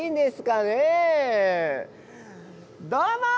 どうも！